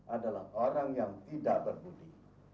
adalah orang yang tidak berbudi